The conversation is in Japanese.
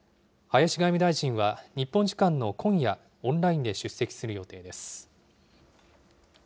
林外務大臣は日本時間の今夜、オンラインで出席する予定です。